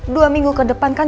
dua minggu ke depan kan